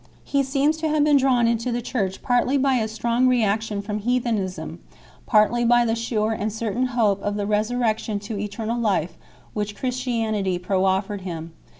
He seems to have been drawn into the Church partly by a strong reaction from heathenism, partly by the sure and certain hope of the resurrection to eternal life which Christianity proffered him.